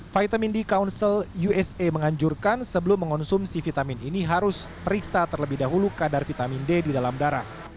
vitamin d council usa menganjurkan sebelum mengonsumsi vitamin ini harus periksa terlebih dahulu kadar vitamin d di dalam darah